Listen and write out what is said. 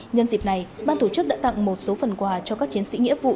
nhân dịp này ban tổ chức đã tặng một số phần quà cho các chiến sĩ nghĩa vụ